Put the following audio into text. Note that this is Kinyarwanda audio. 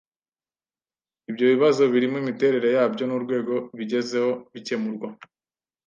ibyo bibazo birimo imiterere yabyo n urwego bigezeho bikemurwa